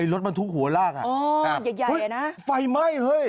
ไอ้รถมันทุกขัวลากอ่ะอ๋อใหญ่ใหญ่อ่ะนะไฟไหม้เฮ้ย